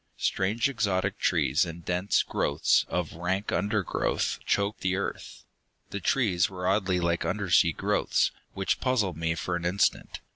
Strange exotic trees and dense growths of rank undergrowth choked the earth. The trees were oddly like undersea growths, which puzzled me for an instant.